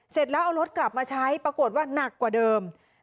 เสร็จแล้วเอารถกลับมาใช้ปรากฏว่าหนักกว่าเดิม